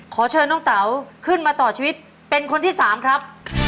ขอเชิญน้องเต๋าขึ้นมาต่อชีวิตเป็นคนที่๓ครับ